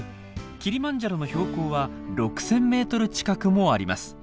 キリマンジャロの標高は６，０００ｍ近くもあります。